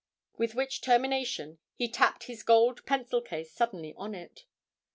With which termination he tapped his gold pencil case suddenly on it.